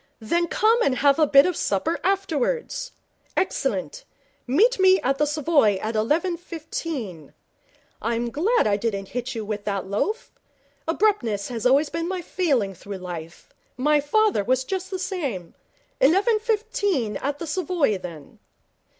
'Then come and have a bit of supper afterwards. Excellent. Meet me at the Savoy at eleven fifteen. I'm glad I didn't hit you with that loaf. Abruptness has been my failing through life. My father was just the same. Eleven fifteen at the Savoy, then.'